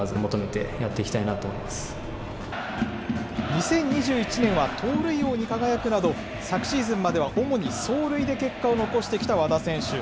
２０２１年は盗塁王に輝くなど、昨シーズンまでは主に走塁で結果を残してきた和田選手。